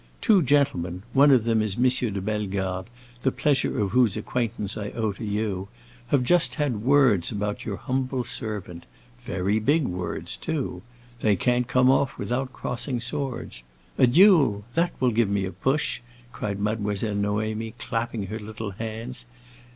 "Two gentlemen—one of them is M. de Bellegarde, the pleasure of whose acquaintance I owe to you—have just had words about your humble servant. Very big words too. They can't come off without crossing swords. A duel—that will give me a push!" cried Mademoiselle Noémie clapping her little hands.